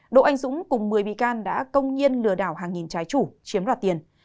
đỗ anh dũng cùng một mươi bị can đã công nhiên lừa đảo hàng nghìn trái chủ chiếm đoạt tiền